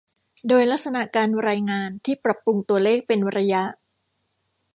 โดยลักษณะการรายงานที่ปรับปรุงตัวเลขเป็นระยะ